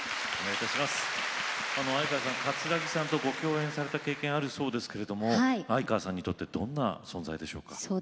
相川さん葛城さんとご共演された経験あるそうですけれども相川さんにとってどんな存在でしょうか？